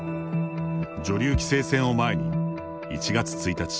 女流棋聖戦を前に１月１日